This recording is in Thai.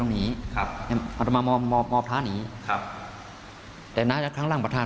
เขาเดินไปยิบเตรียมที่จะจุดเทียนให้พระธาน